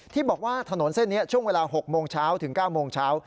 ที่บอกว่าถนนเส้นนี้ช่วงเวลา๖โมงเช้าถึง๙โมงเช้า